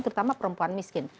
terutama perempuan miskin